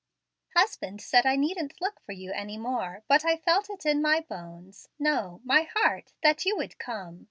"Husband said I needn't look for you any more, but I felt it in my bones no, my heart that you would come.